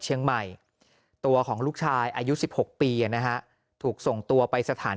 เชียงใหม่ตัวของลูกชายอายุ๑๖ปีนะฮะถูกส่งตัวไปสถาน